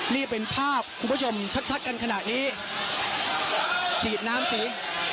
นี่เป็นภาพคุณผู้ชมชัดกันขณะนี้ฉีดน้ำสูง